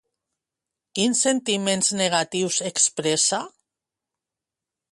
Quins sentiments negatius expressa?